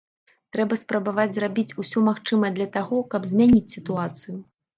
Трэба спрабаваць зрабіць усё магчымае для таго, каб змяніць сітуацыю.